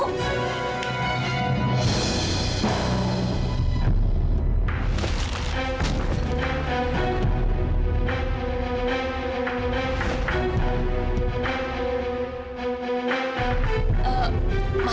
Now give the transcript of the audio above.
sudah berjalan ke rumah